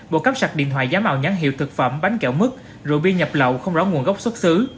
bộ cắp sạc điện thoại giá màu nhắn hiệu thực phẩm bánh kẹo mứt rượu bia nhập lậu không rõ nguồn gốc xuất xứ